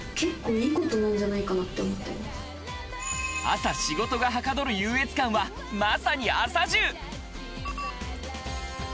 朝仕事がはかどる優越感はまさに朝充！